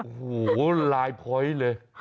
หูวววลายพ้อยเลย